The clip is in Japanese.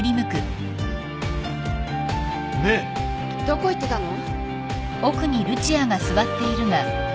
どこ行ってたの？